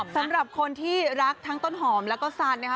สำหรับคนที่รักทั้งต้นหอมแล้วก็สันนะคะ